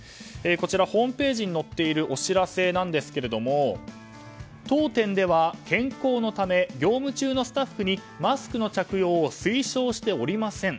こちらホームページに載っているお知らせなんですけれども当店では健康のため業務中のスタッフにマスクの着用を推奨しておりません。